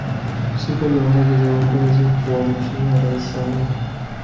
Siku mia moja za uongozi wa Mheshimiwa Rais Samia